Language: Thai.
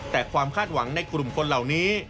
แต่ความคาดหวังในกลุ่มคนเหล่านี้